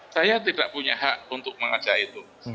saya tidak punya hak untuk mengajak itu